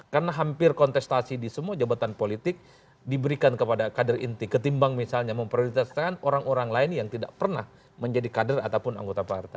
karena hampir kontestasi di semua jabatan politik diberikan kepada kader inti ketimbang misalnya memperintestakan orang orang lain yang tidak pernah menjadi kader ataupun anggota partai